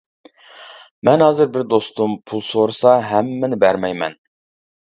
مەن ھازىر بىر دوستۇم پۇل سورىسا ھەممىنى بەرمەيمەن.